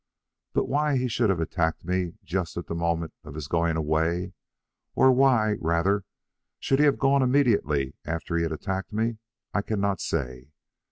But why he should have attacked me just at the moment of his going, or why, rather, he should have gone immediately after he had attacked me, I cannot say.